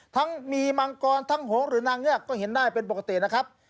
ทั้งมีมังกรทั้งหงหรือนางเงือกก็เห็นได้เป็นปกตินะครับ